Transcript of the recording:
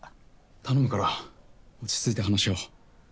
頼むから落ち着いて話し合おう。